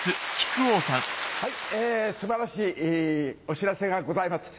素晴らしいお知らせがございます。